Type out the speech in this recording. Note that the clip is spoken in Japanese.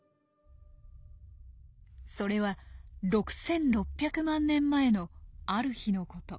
それは６６００万年前のある日のこと。